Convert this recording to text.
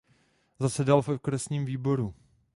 Zasedal i v okresním výboru.